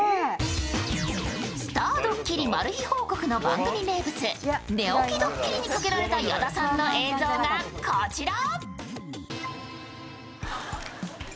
「スターどっきりマル秘報告」の番組名物、寝起きどっきりにかけられた矢田さんの映像が、こちら。